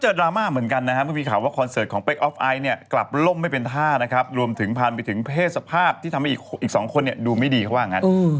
จะให้แอวค์จี้มิงไปคนดูละกัน